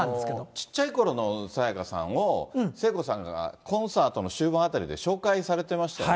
ちっちゃいころの沙也加さんを聖子さんがコンサートの終盤あたりで紹介されてましたよね。